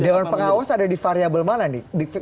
dewan pengawas ada di variable mana nih